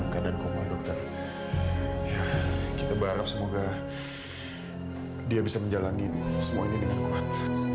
kita berharap semoga dia bisa menjalani semua ini dengan kuat